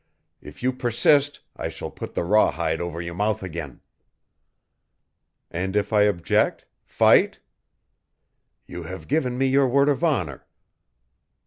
If you persist I shall put the rawhide over your mouth again." "And if I object fight?" "You have given me your word of honor.